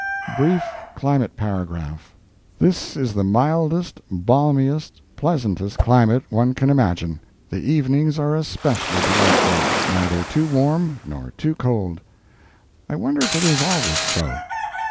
BRIEF CLIMATE PARAGRAPH This is the mildest, balmiest, pleasantest climate one can imagine. The evenings are especially delightful—neither too warm nor too cold. I wonder if it is always so?